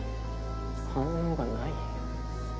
反応がない。